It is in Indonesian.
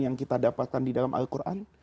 yang kita dapatkan di dalam al quran